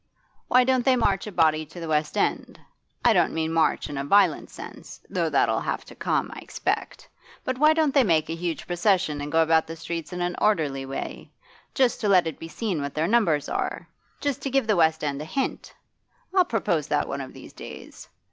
Why don't they march in a body to the West End? I don't mean march in a violent sense, though that'll have to come, I expect. But why don't they make a huge procession and go about the streets in an orderly way just to let it be seen what their numbers are just to give the West End a hint? I'll propose that one of these days.